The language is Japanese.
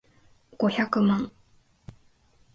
五百万